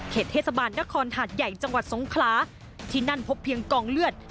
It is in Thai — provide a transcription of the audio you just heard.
เทศบาลนครหาดใหญ่จังหวัดสงขลาที่นั่นพบเพียงกองเลือด